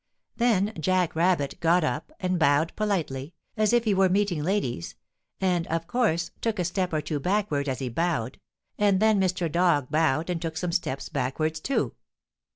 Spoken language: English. Then Jack Rabbit got up and bowed politely, as if he were meeting ladies, and, of course, took a step or two backward as he bowed, and then Mr. Dog bowed and took some steps backward, too.